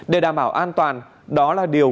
để đảm bảo an toàn đó là điều